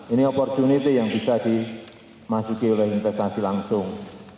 ini opportunity yang bisa dimasuki oleh investasi langsung